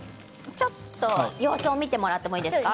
ちょっと様子を見てもらってもいいですか。